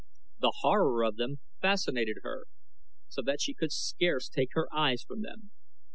The horror of them fascinated her, so that she could scarce take her eyes from them.